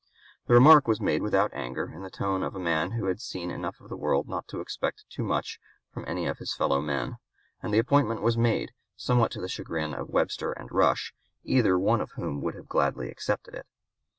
The remark was made without anger, in the tone of a man who had seen enough of the world not to expect too much from any of his fellow men; and the appointment was made, somewhat to the chagrin of Webster and Rush, either one of whom would have gladly accepted it.